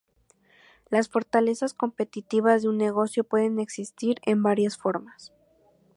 Las fortalezas competitivas de un negocio pueden existir en varias formas.